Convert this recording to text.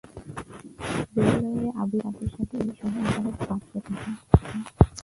রেলওয়ের আবির্ভাবের সাথে সাথে এই শহরের আকার বাড়তে থাকে।